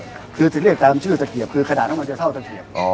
คือจะเรียกตามชื่อตะเกียบคือขนาดนั้นมันจะเท่าตะเกียบ